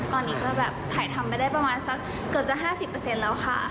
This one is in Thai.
ก่อนนี้ก็ถ่ายทำไปได้เกือบจะ๕๐แล้วค่ะ